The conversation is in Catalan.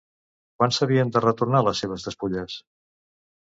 Quan s'havien de retornar les seves despulles?